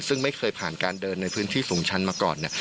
ซึ่งไม่เคยผ่านการเดินในพื้นที่สูงชั้นมาก่อน